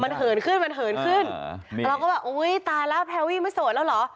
มันเหินขึ้นมันเหินขึ้นเราก็แบบอุ้ยตายแล้วแพรวี่ไม่โสดแล้วเหรอ